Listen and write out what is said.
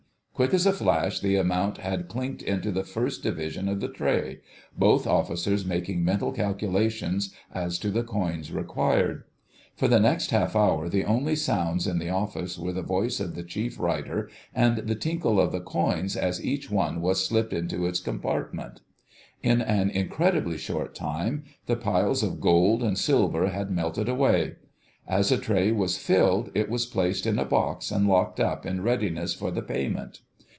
Quick as a flash the amount had clinked into the first division of the tray, both officers making mental calculations as to the coins required. For the next half hour the only sounds in the Office were the voice of the Chief Writer and the tinkle of the coins as each one was slipped into its compartment. In an incredibly short time the piles of gold and silver had melted away; as a tray was filled it was placed in a box and locked up in readiness for the payment.